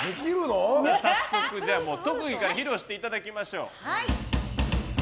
特技披露していただきましょう。